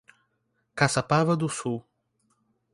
Caçapava do Sul